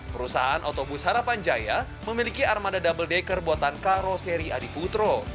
perusahaan otobus harapan jaya memiliki armada double decker buatan karo seri adiputro